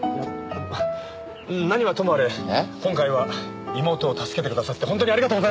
何はともあれ今回は妹を助けてくださって本当にありがとうございました。